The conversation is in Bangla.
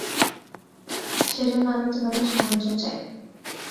সেজন্য আমি তোমাদের সাহায্য চাই।